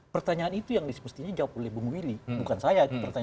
pertanyaan itu yang mestinya dijawab oleh bung willy bukan saya